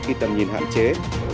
khi tầm nhìn hạn chế